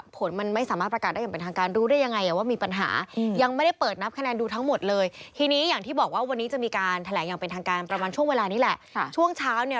เพราะว่านายวีรัตเองเนี่ยนะก็บอกเหมือนกันว่า